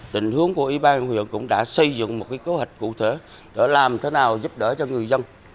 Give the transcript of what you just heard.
tình hướng của ủy ban huyện cũng đã xây dựng một cơ hệ cụ thể để làm thế nào giúp đỡ cho người dân